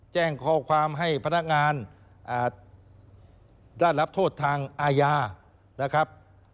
แจ้งข้อความให้พนักงานได้รับโทษทางอาญานะครับ